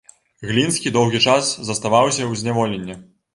Глінскі доўгі час заставаўся ў зняволенні.